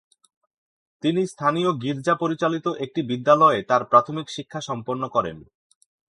তিনি স্থানীয় গির্জা পরিচালিত একটি বিদ্যালয়ে তার প্রাথমিক শিক্ষা সম্পন্ন করেন।